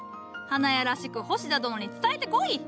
花屋らしく星田殿に伝えてこい！